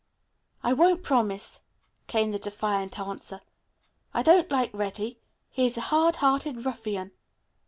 "I won't promise," came the defiant answer. "I don't like Reddy. He is a hard hearted ruffian."